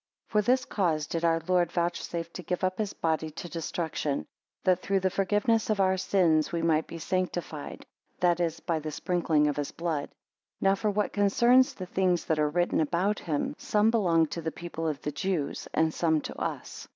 For this cause did our Lord vouchsafe to give up his body to destruction, that through the forgiveness of our sins we might be sanctified; that is, by the sprinkling of his blood. 2 Now for what concerns the things that are written about him, some belong to the people of the Jews, and some to us.